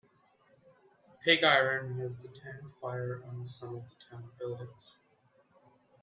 Pigiron has the tank fire on some of the town buildings.